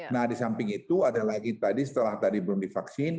nah di samping itu ada lagi tadi setelah tadi belum divaksin